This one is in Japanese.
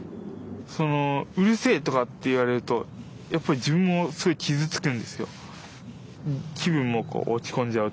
その「うるせえ」とかって言われるとやっぱり自分もすごい傷つくんですよ。